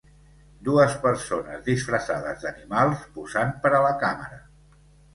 Dues persones disfressades d'animals posant per a la càmera.